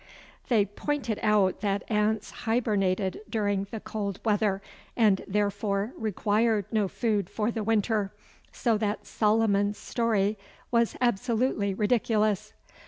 They pointed out that ants hibernated during the cold weather, and therefore required no food for the winter, so that Solomon's story was absolutely ridiculous.